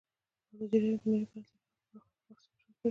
ازادي راډیو د مالي پالیسي په اړه پراخ بحثونه جوړ کړي.